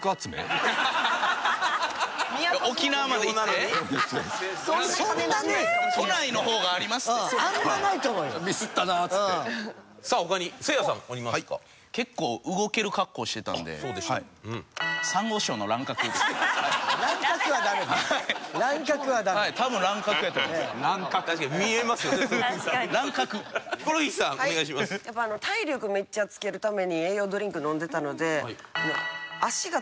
体力めっちゃつけるために栄養ドリンク飲んでたので。